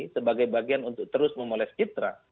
sebagai bagian untuk terus memoles citra